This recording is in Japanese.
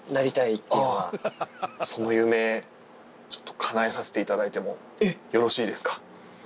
その夢、ちょっとかなえさせていただいてもよろしいですか。